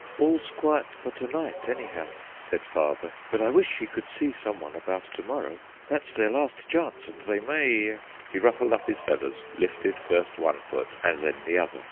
"All's quiet for to night, anyhow," said Father, "but I wish he could see someone about to morrow; that's their last chance, and they may " He ruffled up his feathers, lifted first one foot and then the other.